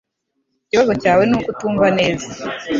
Ikibazo cyawe nuko utumva neza